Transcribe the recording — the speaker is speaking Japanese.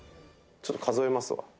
ちょっと数えますわ。